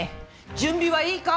準備はいいか？